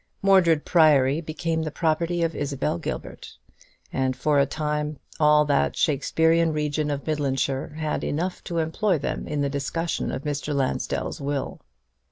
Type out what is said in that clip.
Mordred Priory became the property of Isabel Gilbert; and for a time all that Shakespearian region of Midlandshire had enough to employ them in the discussion of Mr. Lansdell's will.